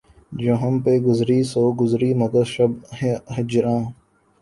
جو ہم پہ گزری سو گزری مگر شب ہجراں